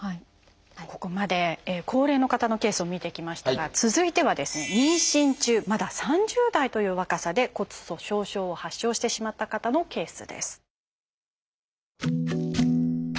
ここまで高齢の方のケースを見てきましたが続いてはですね妊娠中まだ３０代という若さで骨粗しょう症を発症してしまった方のケースです。